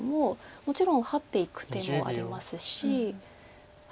もちろんハッていく手もありますし。